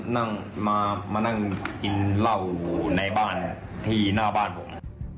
นั่งมานั่งกินเหล้าอยู่ในบ้านที่หน้าบ้านผม